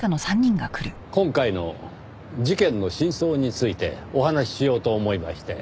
今回の事件の真相についてお話ししようと思いまして。